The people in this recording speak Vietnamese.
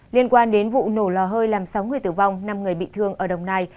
liên quan đến vụ nổ lò hơi làm sáu người tử vong năm người bị thương ở đồng nai